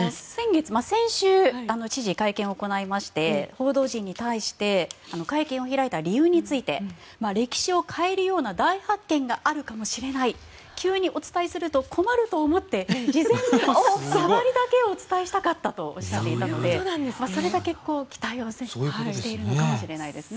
先週、知事が会見を行いまして報道陣に対して会見を開いた理由について歴史を変えるような大発見があるかもしれない急にお伝えすると困ると思って事前にさわりだけお伝えしたかったとおっしゃっていたのでそれだけ結構期待をしているのかもしれませんね。